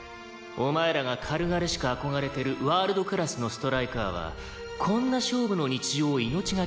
「お前らが軽々しく憧れてるワールドクラスのストライカーはこんな勝負の日常を命懸けで生き抜いてる」